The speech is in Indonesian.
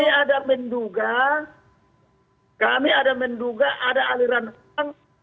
kami ada menduga kami ada menduga ada aliran uang